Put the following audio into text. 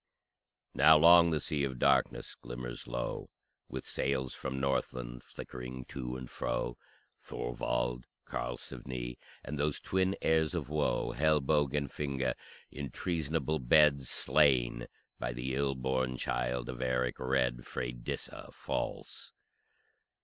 Now long the Sea of Darkness glimmers low With sails from Northland flickering to and fro Thorwald, Karlsefne, and those twin heirs of woe, Hellboge and Finnge, in treasonable bed Slain by the ill born child of Eric Red, Freydisa false.